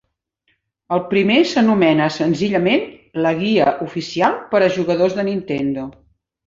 El primer s'anomena senzillament "La guia oficial per a jugadors de Nintendo".